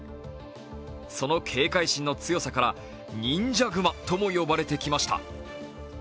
その警戒心の強さから忍者グマとも呼ばれてきました。